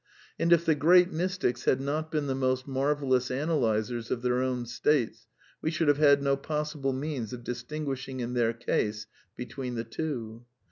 And if the great mystics had not been the most marvellous analysers of their own states, we should have had no possible means of distinguishing in their case be tween the two.